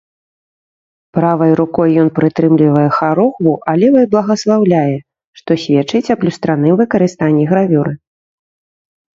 Правай рукой ён прытрымлівае харугву, а левай благаслаўляе, што сведчыць аб люстраным выкарыстанні гравюры.